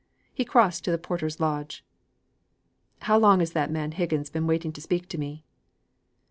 He crossed to the porter's lodge: "How long has that man Higgins been waiting to speak to me?"